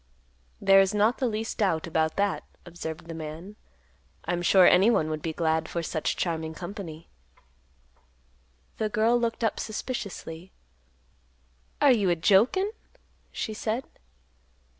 "There is not the least doubt about that," observed the man; "I'm sure anyone would be glad for such charming company." The girl looked up suspiciously; "Are you a jokin'?" she said.